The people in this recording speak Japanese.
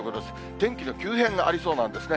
天気の急変がありそうなんですね。